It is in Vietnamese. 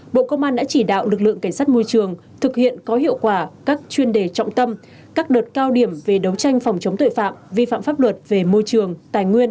bộ công an đã chỉ đạo lực lượng cảnh sát môi trường thực hiện có hiệu quả các chuyên đề trọng tâm